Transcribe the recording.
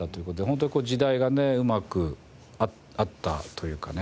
ホントにこう時代がねうまく合ったというかね。